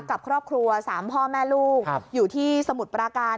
กับครอบครัว๓พ่อแม่ลูกอยู่ที่สมุทรปราการ